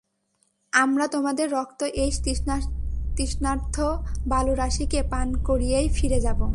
আমরা তোমাদের রক্ত এই তৃষ্ণার্ত বালুরাশিকে পান করিয়েই ফিরে যাব।